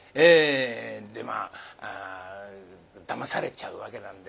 でまあだまされちゃうわけなんですが。